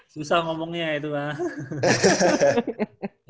susah ngomongnya itu lah